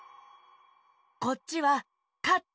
こっちは「かって」